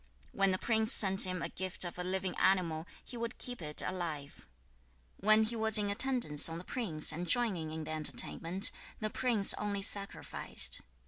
When the prince sent him a gift of a living animal, he would keep it alive. 2. When he was in attendance on the prince and joining in the entertainment, the prince only sacrificed.